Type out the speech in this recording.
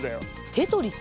テトリス？